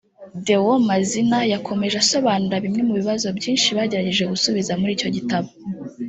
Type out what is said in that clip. Déo Mazina yakomeje asobanura bimwe mu bibazo byinshi bagerageje gusubiza muri icyo gitabo